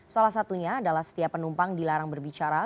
salah satunya adalah setiap penumpang dilarang berbicara